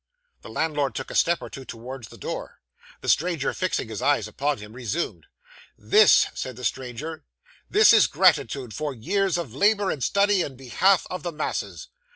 The landlord took a step or two towards the door; the stranger fixing his eyes upon him, resumed. 'This,' said the stranger 'this is gratitude for years of labour and study in behalf of the masses.